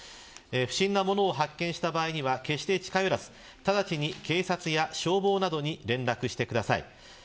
不審な物を見つけた場合は決して近寄らず直ちに、警察や消防などにご連絡ください。